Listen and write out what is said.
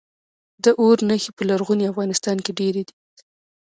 د اور نښې په لرغوني افغانستان کې ډیرې دي